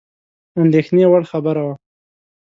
اندېښني وړ خبره وه.